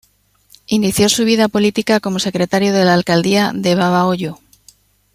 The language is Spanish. Inició su vida política como secretario de la alcaldía de Babahoyo.